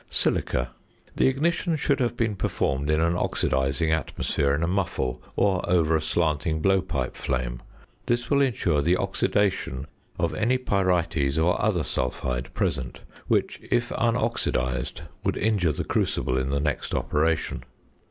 ~Silica.~ The ignition should have been performed in an oxidising atmosphere in a muffle or over a slanting blowpipe flame; this will ensure the oxidation of any pyrites or other sulphide present, which if unoxidised would injure the crucible in the next operation.